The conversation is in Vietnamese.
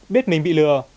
biết mình bị lừa